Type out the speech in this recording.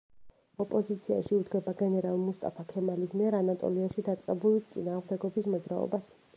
ოპოზიციაში უდგება გენერალ მუსტაფა ქემალის მიერ ანატოლიაში დაწყებულ წინააღმდეგობის მოძრაობას.